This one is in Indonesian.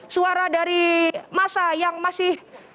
suara dari masa yang masih